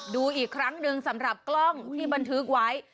ดูอีกครั้งหนึ่งสำหรับกล้องที่บันทึกไว้